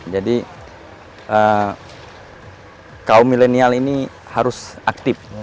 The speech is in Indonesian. jadi kaum milenial ini harus aktif